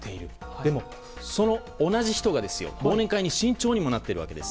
でも、その同じ人が忘年会に慎重になっているわけです。